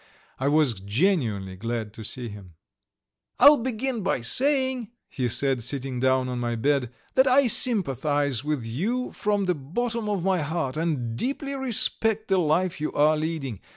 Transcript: I was genuinely glad to see him. "I'll begin by saying," he said, sitting down on my bed, "that I sympathize with you from the bottom of my heart, and deeply respect the life you are leading.